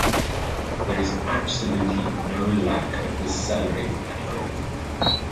There is absolutely no lack of this salary at home.